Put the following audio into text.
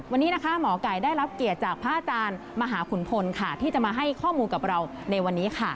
วันนี้นะคะหมอไก่ได้รับเกียรติจากพระอาจารย์มหาขุนพลค่ะที่จะมาให้ข้อมูลกับเราในวันนี้ค่ะ